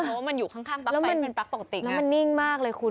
เพราะว่ามันอยู่ข้างปลั๊กไปเป็นปลั๊กปล่องติ๋งอ่ะแล้วมันนิ่งมากเลยคุณ